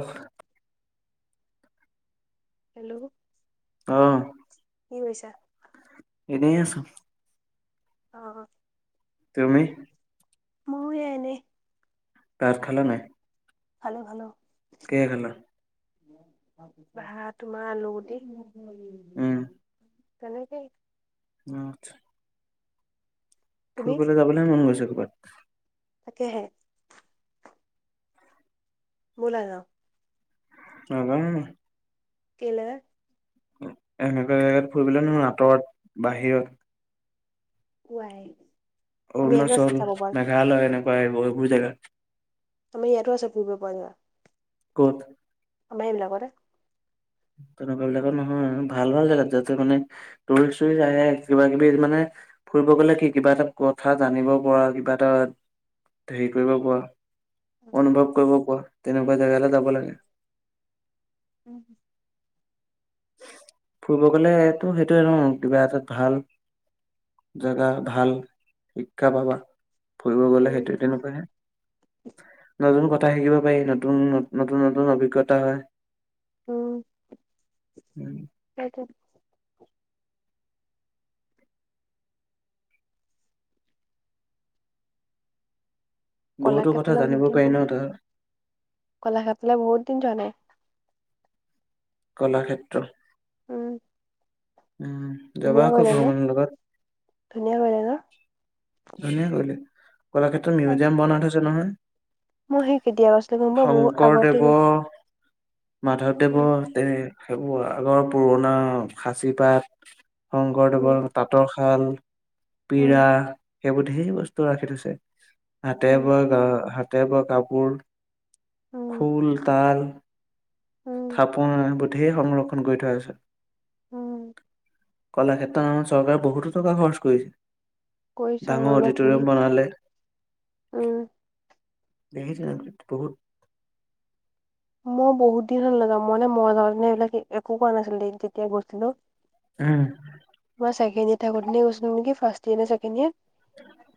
অ hello অ কি কৰিছা এনেই আছো অ তুমি ময়ো এ এনেই ভাত খালা নাই ভালে ভালৌ কিহে খালা? [unintelligible] [unintelligible] ভাত তোমাৰ আলুগুটি। উম তেনেকেই [unintelligible] অঁ আচ্ছা। [unintelligible] তুমি? ফুৰিবলৈ যাবলৈহে মন গৈছে ক'ৰবাত। [unintelligible] তাকেহে। [unintelligible] ব'লা যাওঁ। [unintelligible] নাজানো মই [unintelligible] কেলে বা? [unintelligible] এনেকুৱা জেগাত ফুৰিবলৈ নহয়, আঁতৰত, বাহিৰত। [unintelligible] হোৱাই [unintelligible] অৰুণাচল, মেঘালয় এনেকুৱা এইবোৰ-এইবোৰ জেগাত। [unintelligible] আমি এইয়াতো আছে ফুৰিব পৰা জেগা। [unintelligible] ক'ত? আমাৰ সেইবিলাকতে [unintelligible] তেনেকুৱা বিলাকত নহয় ভাল-ভাল জেগাত যা। য'ত মানে টুৰিষ্ট-চুৰিষ্ট আহে কিবাকিবি মানে [unintelligible] ফুৰিব গলে কি কিবা এটা কথা জানিব পৰা, কিবা এটা হেৰি কৰিব পৰা [unintelligible] অনুভৱ কৰিব পৰা তেনেকুৱা জেগালৈ যাব লাগে। [inaudible] উম [unintelligible] ফুৰিব গ'লেতো সেইটোৱেই ন কিবা এটাত ভাল [unintelligible] জেগা ভাল, শিক্ষা পাবা। [unintelligible] ফুৰিব গলে উম, সেইটোহে তেনেকুৱাহে নতুন কথা [unintelligible] [unintelligible] কথা শিকিব পাৰি নতুন-নতুন-নতুন অভিজ্ঞতা হয়। উম! [unintelligible] উম [unintelligible] সেইটো [inaudible] বহুতো কথা কলাক্ষেত্ৰলৈ জানিব বহুত পাৰি দিন ন তাৰ [inaudible] কলাক্ষেত্ৰলৈ বহুত দিন যোৱা নাই। [unintelligible] কলাক্ষেত্ৰ? [unintelligible] উম! [inaudible] উম! যাবা ধুনীয়া আকৌ কৰিলে ন ভ্ৰমণৰ লগত। ধুনীয়া কৰিলে ন? [unintelligible] ধুনীয়া কৰিলে। কলাক্ষেত্ৰত অ মিউজিয়াম বনাই থৈছে নহয়? মই সেই কেতিয়া গৈছিলোঁ গম [unintelligible] পোৱা বহুত আগতে গৈছিলোঁ। শংকৰদেৱৰ, উম, মাধৱদেৱৰ [unintelligible] [unintelligible] সেইবোৰ আগৰ পুৰণা সাঁচি পাত, উম, শংকৰদেৱৰ তাঁতৰ শাল, উম, পিৰা সেইবোৰ সেই বস্তু ৰাখি থৈছে। [inaudible] হাতে উম, বোৱা গা হাতে বোৱা কাপোৰ, উম, খোল, তাল [unintelligible] উম, থাপন সেইবোৰ ধেই সংৰক্ষণ কৰি থোৱা হৈছে। [unintelligible] উম! [unintelligible] কলাক্ষেত্ৰৰ নামত চৰকাৰে বহুতো টকা খৰচ কৰিছে, কৰি চাওঁ ডাঙৰ ইমান ধুনীয়া অডিটৰিয়াম বনালে। [unintelligible] উম। [inaudible] দেখিছা বহুত [unintelligible] মই বহুত দিন হ'ল নোযাৱা। মই যাওঁতে নে এইবিলাক একো কোৱা নাছিল যেতিয়া গৈছিলোঁ। [unintelligible] উম। [unintelligible] মই ছেকেণ্ড ইয়েৰত থাকোঁতে গৈছিলোঁ নেকি ফাৰ্ষ্ট ইয়েৰ নে ছেকেণ্ড ইয়েৰ [unintelligible]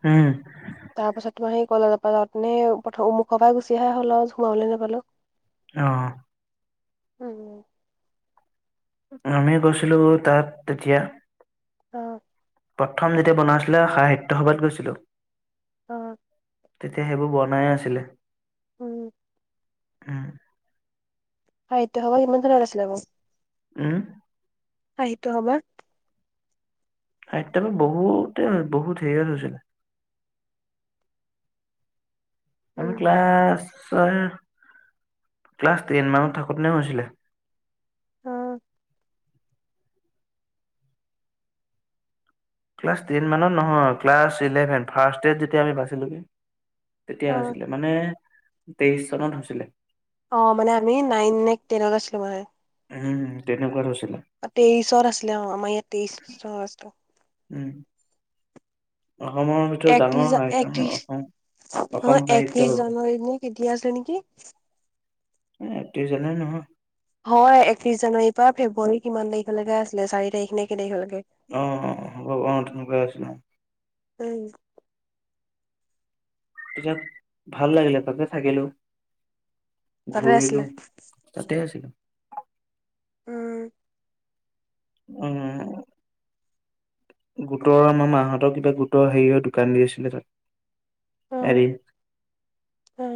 উম [unintelligible] তাৰ পাছত তোমাৰ সেই কলজৰ পৰা যাওঁতে নে [unintelligible] মুখৰ পৰা গুচি আহাই হ'ল আৰু সোমাবলৈ নাপালোঁ। অ। উম। আমি গৈছিলোঁ তাত তেতিয়া, অ। প্ৰথম যেতিয়া বনাইছিলে সাহিত্য সভাত গৈছিলো। অঁ। তেতিয়া সেইবোৰ বনাইে আছিলে। উম। উম। সাহিত্য সভা কিমান চনত আছিলে বাও? উম। সাহিত্য সভা সাহিত্য সভা বহুতে বহুত হেৰিয়ত হৈছিলে। আমি উম ক্লাছ ছয়, ক্লাছ টেন মানত থাকোতেনে হৈছিলে। অ। ক্লাছ টেন মানত নহয়, ক্লাছ ইলেভেন। ফাৰ্ষ্ট ইয়েত যেতিয়া আমি পাইছিলোগে। তেতিয়া অ হৈছিলে, মানে তেইশ চনত হৈছিলে। অ মানে আমি নাইন নে টেনত আছিলো মানে। উম তেনেকুৱাত হৈছিলে। তেইশত আছিলে অ আমাৰ ইয়াত তেইশ আছিলে। উম, অসমৰ ভিতৰত একত্ৰিশ ডাঙৰ জা সাহিত্য নহয় একত্ৰিশ, অসম অসম অ সাহিত্য একত্ৰিশ জানুৱাৰী নে কেতিয়া আছিলে নেকি! একত্ৰিশ জানোৱাৰীত নহয়। হয় একত্ৰিশ জানুৱাৰীৰ পৰা ফেব্ৰুৱাৰী কিমান তাৰিখলৈকে আছিলে চাৰি তাৰিখ নে কেই তাৰিখলৈকে। অ হব অ তেনেকোৱাই আছিলে। উম। তেতিয়া ভাল লাগিলে। তাতে থাকিলো, তাতে ঘূৰিলো। আছিলে তাতে আছিলো। উম। উম। গোটৰ আমাৰ মাহতৰ কিবা গোটৰ হেৰি দোকান দিছিলে তাত এদিন। অ।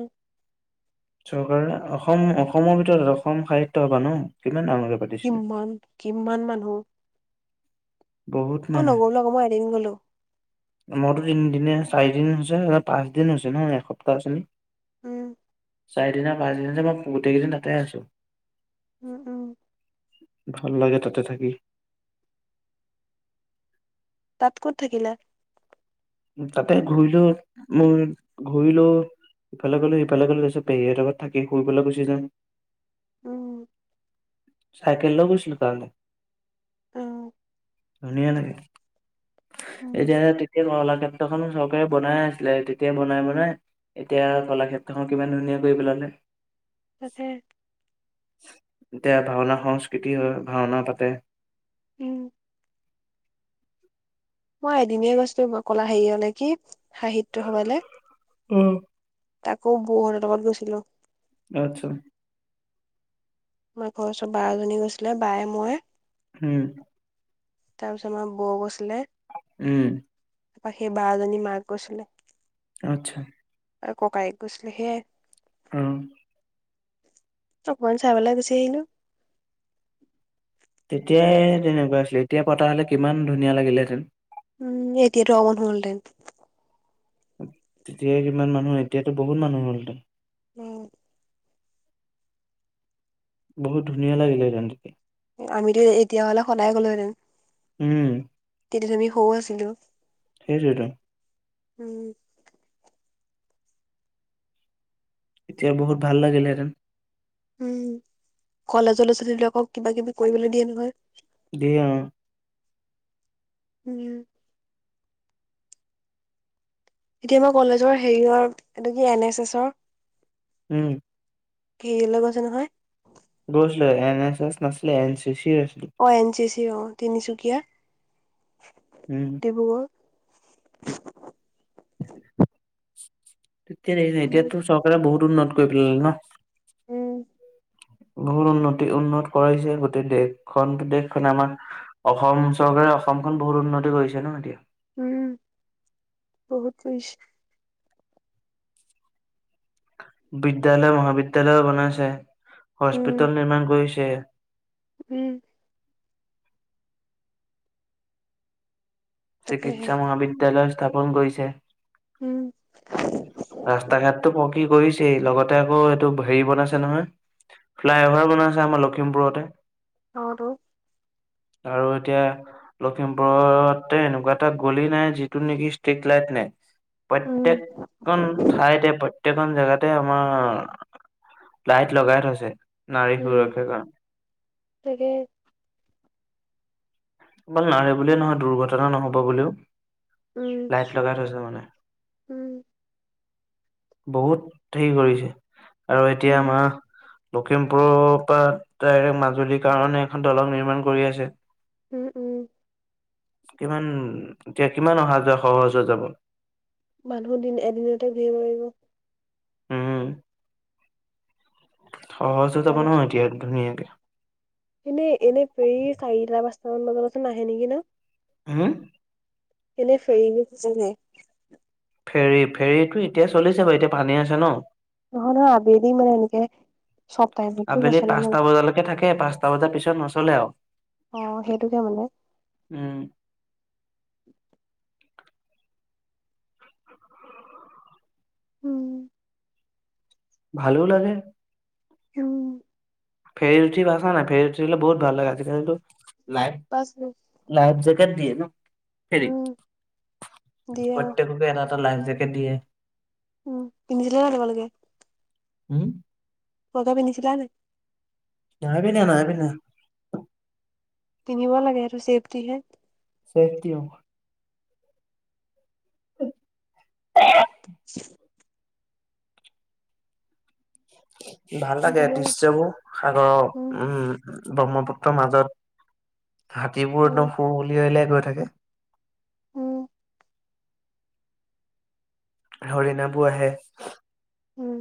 চৰকাৰে অসম অসমৰ ভিতৰত অসম সাহিত্য সভা ন, কিমান ডাঙৰ পাতি- কিমান, কিমান মানুহ। বহুত মই মানুহ। নগলো আকৌ মই এদিন গলো মোৰতো তিনিদিনে চাৰিদিন হৈছেহে, পাঁচ দিন হৈছে ন এসপ্তাহ আছোহি। উম। চাৰিদিনা পাঁচদিনা যে মই গোটেইকেইদিন তাতে আছো। উম উম। ভাল লাগে তাতে থাকি। তাত ক'ত থাকিলা? তাতে ঘূৰিলো, মোৰ ঘূৰিলো, ইফালে গলো, সিফালে গলো, তাৰপিছত পেহীৰ হতৰ ঘৰত থাকি শু পেলাই গুচি যাওঁ। উম। চাইকেল লৈ গৈছিলো তালে। অ, ধুনীয় নেকি। উম এতিয়া তেতিয়াই কৰলাখন চৰকাৰে বনাই আছিলে তেতিয়াই বনাই বনাই। এতিয়া কলাক্ষেত্ৰখন কিমান ধুনীয়া কৰি পেলালে। তাকে। এতিয়া ভাওনা সংস্কৃতি হয় ভাওনা পাতে। উম মই এদিনে গৈছো কলা হেৰি নে কি সাহিত্য সভালে। উম, তাকো বৌ হত লগত গৈছিলো। আচ্ছা। আমাৰ ঘৰৰ ওচৰত বা এজনী গৈছিলে বায়ে মই, হম, তাৰ পিছত আমাৰ বৌ গৈছিলে। উম তাৰপা সেই বাজনীৰ মাক গৈছিলে। আচ্ছা। আৰু ককায়েক গৈছিলে সেয়াই, অ, অকমান চাই পেলাই গুচি আহিলো। তেতিয়াই তেনেকুৱা আছিলে এতিয়া পতা হ'লে কিমান ধুনীয়া লাগিলেহেতেন। উম এতিয়টো অমন হ'ল দেন, তেতিয়াই কিমান মানুহ এতিয়াত বহুত মানুহ হল হেতেন। উম, বহুত ধুনীয়া লাগিলে হেতেন দেখি। আমিতো এতিয়া হলে সদায় গ'লোহেঁতেন। উম তেতিয়া আমি সৰু আছিলো। সেইটোৱে টো, উম, এতিয়া বহুত ভাল লাগিলেহেতেন। উম কলেজৰ লৰা ছোৱালী বিলাক কিবা কিবি কৰিবলৈ দিয়ে নহয়। দিয়ে অ, উম এতিয়া মই কলেজৰ হেৰিৰ এইটো কি এন এছ এছৰ, উম কি লৈ গৈছে নহয়। গৈছিলো এন এছ এছ নছিলে এন চি চি আছিল। অঁ এন চি চি অঁ তিনিচুকীয়া। উম, ডিব্ৰুগড়, তেতিয়া নাই উম, এতিয়াতো চৰকাৰে বহুত উন্নত কৰি পেলালে ন। উম বহুত উন্নতি উন্নত কৰাইছে গোটেই দেশখন দেশখনে আমাৰ। অসম চৰকাৰে অসমখন বহুত উন্নতি কৰিছে ন এতিয়া। উম বহুত কৰিছে। বিদ্যয়ালয় মহাবিদ্যালয় বনাইছে উম, হস্পিতেল নিৰ্মাণ কৰিছে। উম তাকেহে। চিকিৎসা মহাবিদ্যালয় স্থাপন কৰিছে। উম ৰাস্তা ঘাটো পৰকি কৰিছেই লগতে আকৌ এইটো হেৰি বনাইছে নহয়। ফ্লাইভাৰ বনাই আছে আমাৰ লখিমপুৰতে। তহতৰো - আৰু এতিয়া। লখিমপুৰতে এনেকুৱা এটা গলি নাই যিটো নেকি ষ্ট্ৰিট লাইট নাই। প্ৰত্যেক উম, খন থাঠয়তে প্ৰ প্ৰত্যয়ে খন জেগাতে আমাৰ লাইট লগাই থৈছে নাৰীৰ উম, সুৰক্ষাৰ কাৰণে- তাকে কিবা নাই বুলিয়ে নহয় দুৰ্ঘটনা নহ'ব বুলিওঁ উম, লাইট লগাই থৈছে মানে। উম, বহুত হেৰি কৰিছে আৰু এতিয়া উম, মাহ, লখিমপুৰৰ, পৰা ডাইৰেক্ট মাজুলীৰ, কাৰণে এখন দলং নিৰ্মাণ কৰি আছে। উম উম, কিমান এতিয়া কিমান অহা যোৱা সহজ যাব। মানুহ দিন এদিনতে ভিৰ হয় যায়। উম সহজ হৈ যাব পাৰিব। নহয় এতিয়া ধুনীয়াকে- এনে এনে ফেৰি চাৰিটা পাঁচটা মান বজাত নাহে নেকি ন। হা এনেই ফেৰী জিনেই ফেৰী ফেৰীতটো এতিয়া চলিছে হয়টো এতিয়া পানী আছে ন। নহয় নহয় আবেলি মানে এনেকে। চব টাইমত আবেলি পাঁচটা বজালৈকে থাকে পাঁচটা বজাৰ পিছত নচলে আৰু অ সেইটোকে মানে। উম উম ভালো লাগে। উম ফেৰী উঠি পাইছা নাই ফেৰৰী উঠিলে বহুত ভাল লাগে আজিকালটো লাই। পাচঁ মিলিট লাভ জেকেট দি ন ফেৰী উম দিয়ে অ পটটেককে এটা এটা লাইফ জেকেট দিয়ে। উম পিন্ধিছিলে কেনেকুৱা লাগে। উম তুমি পিধিছিলা নাই। নাই পিন্ধা নাই পিন্ধা। তিনিব লাগ ছেপটিহে চেপটিও [unintelligible] চি ভাল লাগে দৃশ্যবোৰ সাগৰৰ উম উম ব্ৰহ্মপুত্ৰৰ মাজত। হাতীবোৰ উম একদম সুুৰ উলিয়াই উলিয়াই গৈ থাকে। উম হৰিণাবোৰ আহে। হুহ।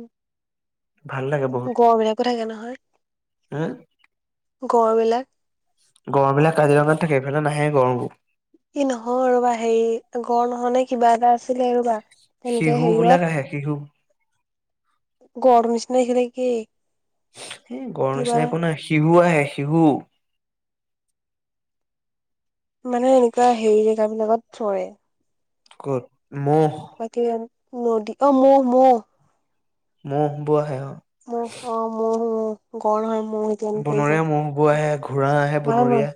ভাল লাগে। বহুত গড় বিলাকো থাকে নহয়। [unintelligible] গড়বিলাক। গড়বিলাক কাজিৰঙাত থাকে এইফালে নাহে গড়বোৰ। ই নহয় ৰবা হেৰি গড় নহয়নে কিবা এটা আছিলে ৰবা। তেনেকে শিহু বিলাক আহে শিহু হেৰিয়ৱত গড়টো নিচিনা খেদি কি? এ গড় কিবা নিচিনা এটা একো নাই শিহু আহে শিহু। মানে এনেকুৱা হেৰি জেগাবিলাকত চৰে। ক'ত? মহ। বাকী ৰাম নদী অহ মহ মহ মহ বোৱা আহে অ। ম'হ অ মহ সমূহ গড় নহয় [unintelligible] বনৰীয়া মহবোৰ আহে, ঘোঁৰা আহে বনৰীয়া।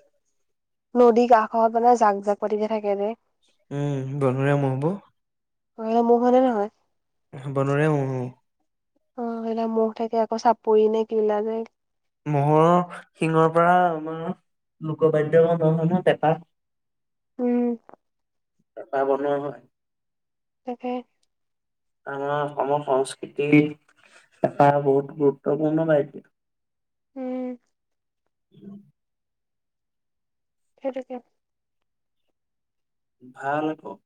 নদী কাষত মানে জাক জাক পাতি তে থাকে যে উম বনৰীয়া মহবোৰ। পহিলে মহ হয়নে নহয়? বনৰীয়া মহ অ। অ সেইলা ম'হ থাকে আকৌ চাপৰি নে কিলা যে মহ'ৰ শিঙৰ পৰা আমাৰ লোকবাদ্য বনোৱা হয় নহয় পেঁপা। উম। পেঁপা বনোৱা হয়। তাকে আমাৰ অসম সংস্কৃতি পেঁপা বহুত গুৰুত্বপূৰ্ণ বাদ্য। উম। [unintelligible] সেইটোকে। ভাল হব।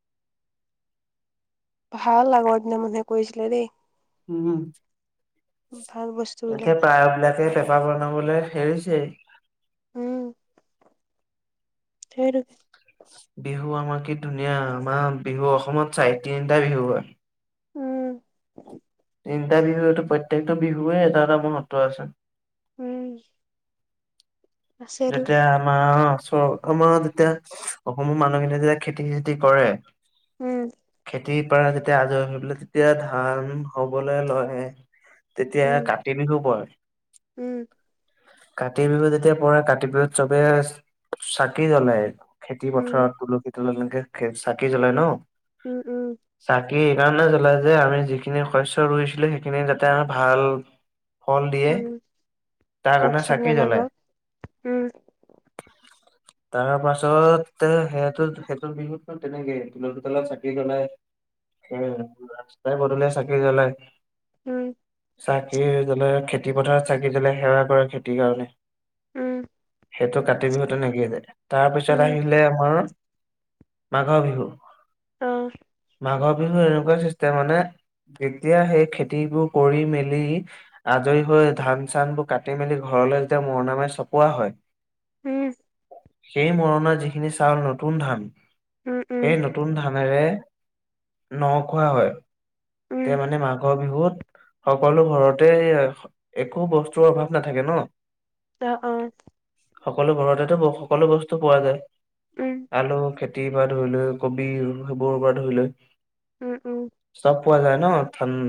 ভাল আগৰ দিনা মানুহে কৈছিলে দেই। উম ভাল বস্তু বিলাক এতিয়া পাইয় বিলাকে পে- পা বনাবলৈ হেৰিছেই। উম সেইটোকে বিহু আমাৰ কি ধুনীয়া আমাৰ বিহু অসমত চাই তিনিটা বিহু হয়। উম। তিনিটা বিহুটো প্ৰত্যেকটো বিহুৱে এটা এটা মহত্ব আছে। উম। আছেতো যেতিয়া আমাৰ আ চ সময়ত তেতিয়া অসমৰ মানুহখিনিয়ে যেতিয়া খেতি চেতি কৰে। উম। তি পাৰা যেতিয়া আজৰি হৈ পেলাই তেতিয়া ধান হবলৈ লয়। তেতিয়া উম কাতি বিহু পৰে, উম কাতি বিহু যেতিয়া পৰে কাতি বিহুত চবে চাকি জ্বলায়, খেতি উম পথাৰত, তুলসী তে তেনেকে চাকি জ্বলাই ন। উম উম। চাকি এইকাৰণে জ্বলাই যে আমি যিখিনি শস্য ৰুইছিলো সেইখিনি যাতে আমি ভাল ফল দিয়ে উম তাৰ পোক কাৰণে চোক চাকি জ্বলায়। নালাগক উম। তাৰ পাছত সেইহঁতৰ সেইটো বিহুত তেনেকেই তুলসী তলত চাকি জ্বলাই ৰাস্তাই পদুলিয়ে চাকি জ্বলায়। উম। চাকি জ্বলে, খেতি পথাৰত চাকি জ্বলে সেৱা কৰে খেতিৰ কাৰণে। উম সেইটো কাতি বিহু তেনেকেই যায়। তাৰপিছত উম, আহিলে আমাৰ মাঘৰ বিহু উম। মাঘৰ বিহু এনেকুৱা চিষ্টেম মানে যেতিয়া সেই খেতিবোৰ কৰি মেলি আজৰি হৈ ধান-চানবোৰ কাটি মেলি ঘৰলৈ যেতিয়া মৰণা মাৰি চপোৱা হয়, উম। সেই মৰণা যিখিনি চাউল নতুন ধান, উম, সেই উম, নতুন নতুন ধানেৰে ন খোৱা হয়। উম, তেতিয়া মানে মাঘৰ বিহুত সকলো ঘৰতে একো বস্তুৰ অভাৱ নাথাকে ন, অ অ সকলো ঘৰতেতো ব সকলো বস্তু পোৱা যায়, উম, আলু খেতি পৰা ধৰি লৈ কবি সেইবোৰৰ পৰা ধৰি লৈ উম উম। চব পোৱা যায় ন, ঠাণ্ড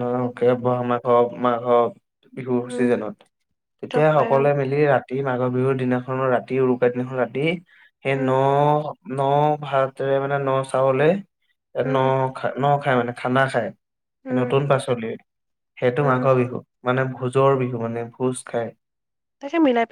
ব মা হক মাঘ হক বিহুৰ উম, চিজনত। চব তেতিয়া পায় অ', সকলোৱে মিলি ৰাতি ৰাতি মাঘৰ বিহুৰ দিনাখন ৰাতি উৰুকা দিনাখন ৰাতি সেই উম, ন ন ভাতৰে মানে ন চাউলে ন উম, খা ন খায় মানে খানা খায়। উম, নতুন পাচলি। সেইটো উম, মাঘৰ বিহু। মানে ভোজৰ বিহু মানে ভোজ খাই। তাক মিলা